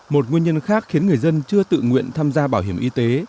một nguyên nhân khác khiến người dân chưa tự nguyện tham gia bảo hiểm y tế